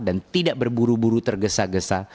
dan tidak berburu buru tergesa gesa